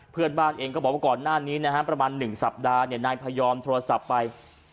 เพื่อนบ้านเองก็บอกว่าก่อนหน้านี้นะฮะประมาณ๑สัปดาห์นายพยอมโทรศัพท์ไป